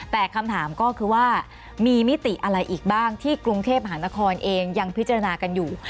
แต่คำถามก็คือว่ามีมิติอะไรอีกบ้างที่กรุงเทพหานครเองยังพิจารณากันอยู่